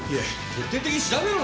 徹底的に調べろ！